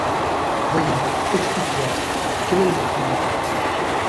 Voyons. Explique-toi. Quel est le meurtrier :